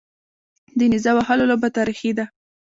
د نیزه وهلو لوبه تاریخي ده